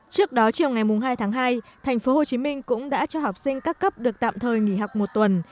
trước đó chiều ngày hai tháng hai thành phố hồ chí minh cũng đã cho học sinh các cấp được tạm thời nghỉ học một tuần